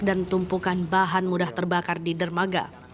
dan tumpukan bahan mudah terbakar di dermaga